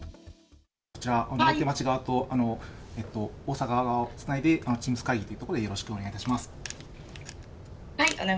こちら、大手町側と大阪側をつないで、Ｔｅａｍｓ会議ということでよろお願いいたします。